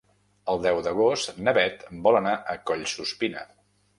El deu d'agost na Bet vol anar a Collsuspina.